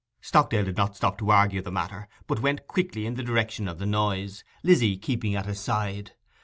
Stockdale did not stop to argue the matter, but went quickly in the direction of the noise, Lizzy keeping at his side.